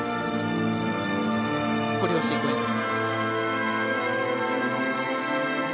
コレオシークエンス。